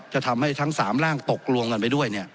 จะทำให้ทั้ง๓ร่างตกลงกันไปด้วย